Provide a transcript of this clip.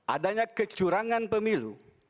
adanya kecurangan pemilu